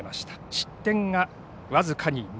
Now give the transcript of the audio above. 失点が僅かに２。